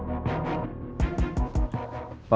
terima kasih pak